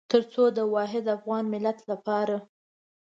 تر څو د واحد افغان ملت لپاره.